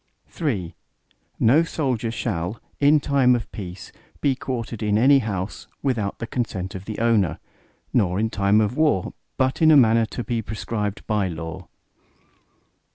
III No soldier shall, in time of peace be quartered in any house, without the consent of the owner, nor in time of war, but in a manner to be prescribed by law.